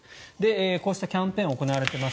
こうしたキャンペーンが行われています。